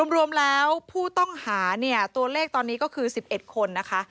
รวมแล้วผู้ต้องหาเนี่ยตัวเลขตอนนี้ก็คือ๑๑คนนะคะ